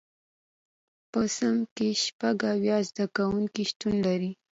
په صنف کې شپږ اویا زده کوونکي شتون لري.